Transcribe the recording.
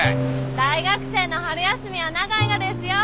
大学生の春休みは長いがですよ！